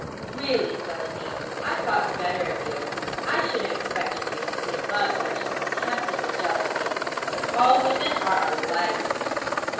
'Really, Celandine, I thought better of you, and should have expected you to be above such contemptible jealousy. But all women are alike!